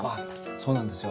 そうなんですよ。